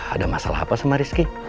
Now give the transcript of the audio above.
ada masalah apa sama rizky